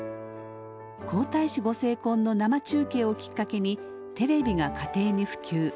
皇太子ご成婚の生中継をきっかけにテレビが家庭に普及。